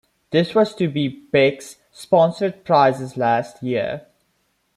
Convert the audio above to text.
This was to be the Beck's sponsored prize's last year.